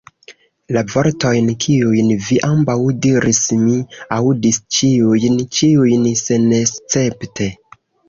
La vortojn, kiujn vi ambaŭ diris, mi aŭdis ĉiujn, ĉiujn senescepte.